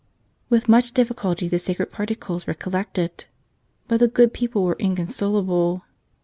With much difficulty the sacred particles were collected. But the good people were inconsolable.